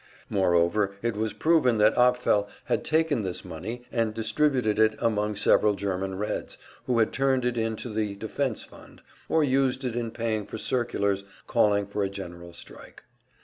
Moreover it was proven that Apfel had taken this money and distributed it among several German Reds, who had turned it in to the defense fund, or used it in paying for circulars calling for a general strike.